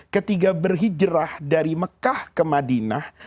ketiga berhijrah dari mekah ke madinah